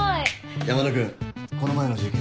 ・山田君この前の事件